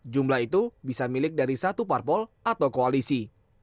jumlah itu bisa milik dari satu parpol atau koalisi